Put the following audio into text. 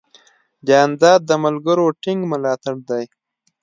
جانداد د ملګرو ټینګ ملاتړ دی.